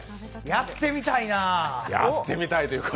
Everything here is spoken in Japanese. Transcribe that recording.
やってみたいなぁ。